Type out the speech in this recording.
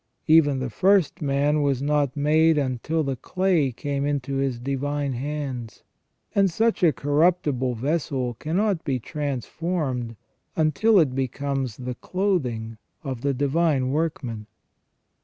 Even the first man was not made until the clay came into His divine hands ; and such a corruptible vessel cannot be transformed until it becomes the clothing of the Divine Workman."